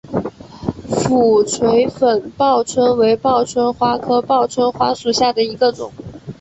俯垂粉报春为报春花科报春花属下的一个种。